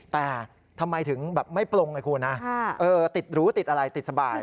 แต่ทำไมถึงแบบไม่ปลงไงคุณนะติดหรูติดอะไรติดสบาย